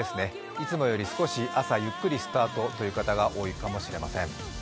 いつもより少し朝ゆっくりスタートという方が多いかもしれません。